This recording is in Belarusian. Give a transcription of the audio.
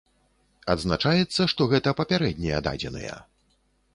Адзначаецца, што гэта папярэднія дадзеныя.